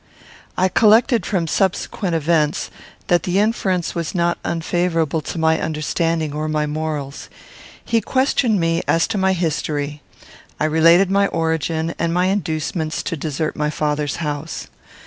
I collected from subsequent events that the inference was not unfavourable to my understanding or my morals. He questioned me as to my history. I related my origin and my inducements to desert my father's house.